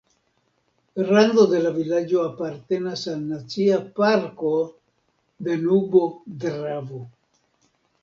Rando de la vilaĝo apartenas al Nacia parko Danubo-Dravo.